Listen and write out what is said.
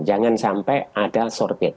jangan sampai ada shortage